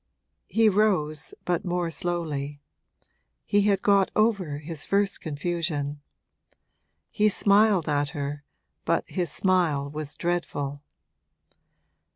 He rose, but more slowly; he had got over his first confusion. He smiled at her, but his smile was dreadful.